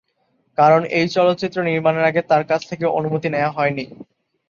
কারণ এই চলচ্চিত্র নির্মানের আগে তার কাছ থেকে অনুমতি নেয়া হয়নি।